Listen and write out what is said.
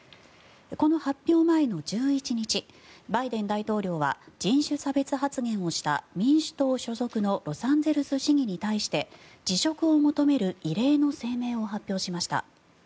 この発表前の１１日バイデン大統領は人種差別発言をした民主党所属のロサンゼルス市議に対して辞職を求める異例の声明を発表しました。